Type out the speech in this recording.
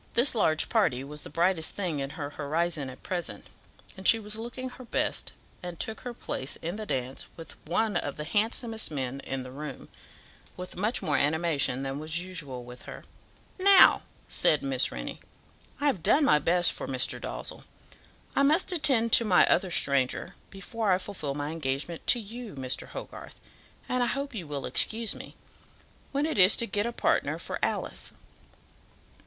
This large party was the brightest thing in her horizon at present, and she was looking her best, and took her place in the dance with one of the handsomest men in the room, with much more animation than was usual with her. "Now," said Miss Rennie, "I have done my best for Mr. Dalzell. I must attend to my other stranger before I fulfil my engagement to you, Mr. Hogarth, and I hope you will excuse me, when it is to get a partner for Alice.